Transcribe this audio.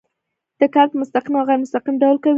دا کار په مستقیم او غیر مستقیم ډول کوي.